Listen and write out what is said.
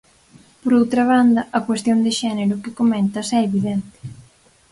Por outra banda, a cuestión de xénero que comentas é evidente.